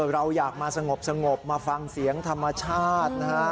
เราอยากมาสงบมาฟังเสียงธรรมชาตินะฮะ